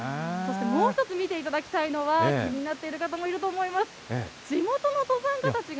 そしてもう一つ見ていただきたいのは、気になっている方もいると思います。